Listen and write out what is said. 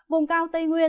vùng cao tây nguyên